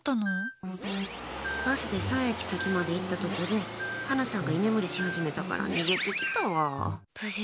バスで３駅先まで行ったとこでハナさんが居眠りし始めたから逃げてきたわ。